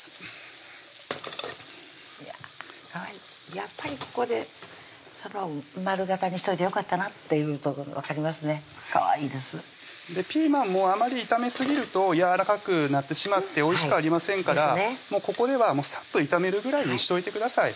やっぱりここで丸形にしといてよかったなって分かりますねかわいいですピーマンもあまり炒めすぎるとやわらかくなってしまっておいしくありませんからここではサッと炒めるぐらいにしといてください